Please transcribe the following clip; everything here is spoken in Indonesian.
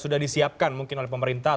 diberikan mungkin oleh pemerintah